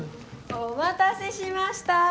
お待たせしました！